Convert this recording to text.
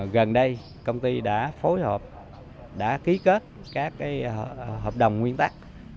gần đây công ty đã phối hợp đã ký kết các hợp đồng nguyên tắc